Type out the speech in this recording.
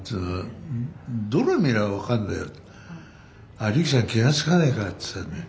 あリキさん気が付かないかっつったんだよ。